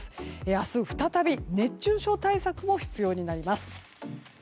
明日、再び熱中症対策も必要になります。